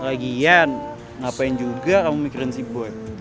lagian ngapain juga kamu mikirin si boy